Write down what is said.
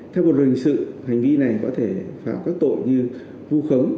theo pháp luật hình sự hành vi này có thể phạm các tội như vu khấm